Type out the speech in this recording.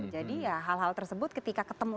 jadi ya hal hal tersebut ketika ketemu